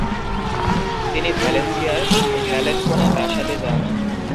তিনি ভ্যালেন্সিয়ার ভ্যালেনকোনা প্রাসাদে যান।